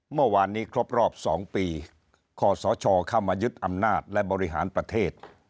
เมื่อวานนี้ครบรอบ๒ปีขอสชเข้ามายึดอำนาจและบริหารประเทศ